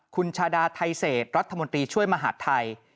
คุณชาดาไทเศษรัฐมนตรีช่วยมหาดไทย